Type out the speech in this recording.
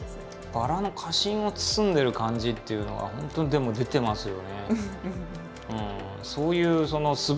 バラの花心を包んでる感じっていうのは本当にでも出てますよね。